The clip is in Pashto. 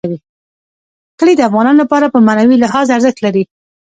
کلي د افغانانو لپاره په معنوي لحاظ ارزښت لري.